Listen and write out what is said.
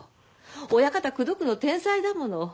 親方口説くの天才だもの。